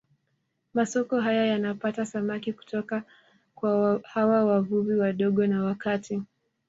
Masoko haya yanapata samaki kutoka kwa hawa wavuvi wadogo na wa kati